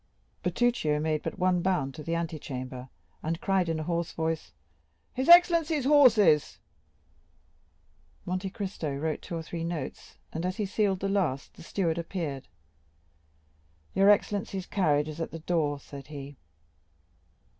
Bertuccio made but one bound to the antechamber, and cried in a hoarse voice: "His excellency's horses!" Monte Cristo wrote two or three notes, and, as he sealed the last, the steward appeared. "Your excellency's carriage is at the door," said he.